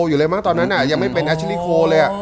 หยุดเลยตอนนั้นหยังไม่เป็นอาชีลิโค